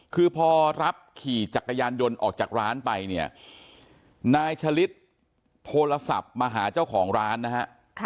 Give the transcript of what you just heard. คือพอรับขี่จักรยานยนต์ออกจากร้านไปเนี่ยนายชะลิดโทรศัพท์มาหาเจ้าของร้านนะฮะ